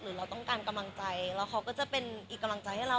เราต้องการกำลังใจแล้วเขาก็จะเป็นอีกกำลังใจให้เรา